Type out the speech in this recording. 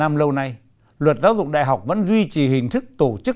năm lâu nay luật giáo dục đại học vẫn duy trì hình thức tổ chức